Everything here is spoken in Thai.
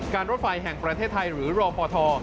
รถไฟแห่งประเทศไทยหรือรอพอท